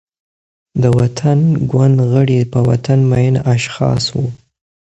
د وطن ګوند غړي، په وطن مین اشخاص وو.